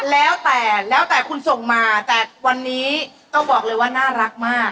แล้วแต่แล้วแต่คุณส่งมาแต่วันนี้ต้องบอกเลยว่าน่ารักมาก